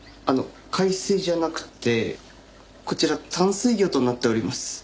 あの海水じゃなくてこちら淡水魚となっております。